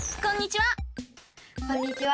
こんにちは！